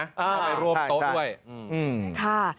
เข้าไปร่วมโต๊ะด้วยค่ะ